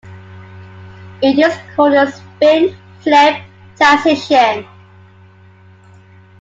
It is called the "spin-flip transition".